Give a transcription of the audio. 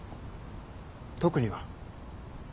特には。